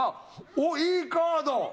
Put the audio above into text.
おっいいカード！